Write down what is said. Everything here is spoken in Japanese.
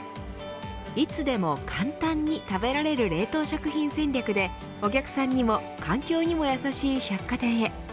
いつでも簡単に食べられる冷凍食品戦略でお客さんにも環境にもやさしい百貨店へ。